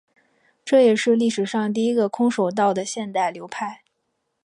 这也是历史上第一个空手道的现代流派。